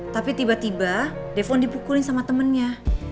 tapi tiba tiba defon dipukulin sama temennya